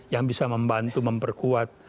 yang bisa membantu memperkuat